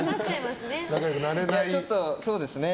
ちょっと、そうですね。